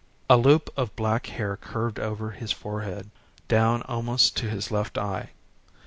A loop of black hair curved over his forehead, down almost to his left eye.